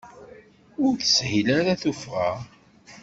Ur teshil ara tuffɣa.